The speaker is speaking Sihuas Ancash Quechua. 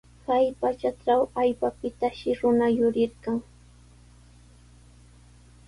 Kay pachatraw allpapitashi runa yurirqan.